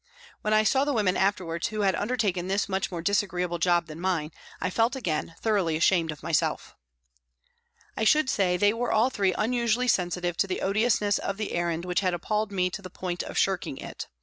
When I saw the women afterwards who had undertaken this much more disagreeable job than mine, I felt again thoroughly ashamed of myself. I should say they were all three unusually sensitive to the odiousness of the errand which had appalled me to the point of shirking it.